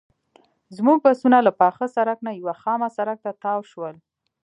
زموږ بسونه له پاخه سړک نه یوه خامه سړک ته تاو شول.